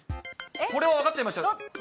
これは分かっちゃいました？